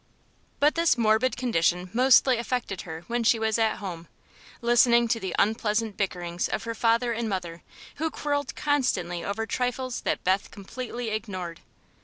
But this morbid condition mostly affected her when she was at home, listening to the unpleasant bickerings of her father and mother, who quarrelled constantly over trifles that Beth completely ignored.